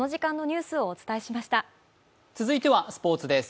続いてはスポーツです。